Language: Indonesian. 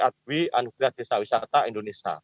anugrah desa wisata indonesia